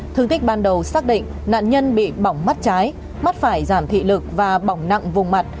thương tích ban đầu xác định nạn nhân bị bỏng mắt trái mắt phải giảm thị lực và bỏng nặng vùng mặt